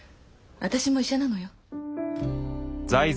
私も医者なのよ。